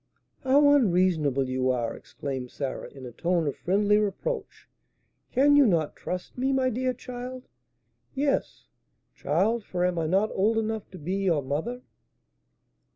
"How unreasonable you are!" exclaimed Sarah, in a tone of friendly reproach. "Can you not trust me, my dear child? yes, child; for am I not old enough to be your mother?"